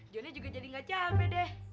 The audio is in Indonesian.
johnnya juga jadi gak cape deh